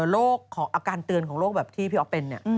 โรคอาการเตือนของโรคแบบที่พี่ออฟเป็น